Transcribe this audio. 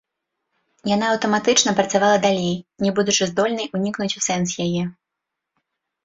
Яна аўтаматычна працавала далей, не будучы здольнай унікнуць у сэнс яе.